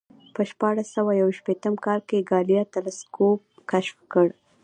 په شپاړس سوه یو شپېتم کال کې ګالیله تلسکوپ کشف کړ